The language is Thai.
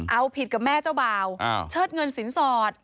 เอาผิดกับแม่เจ้าบ่าวเชิดเงินสินสอด